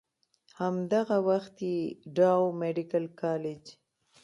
هم دغه وخت ئې ډاؤ ميډيکل کالج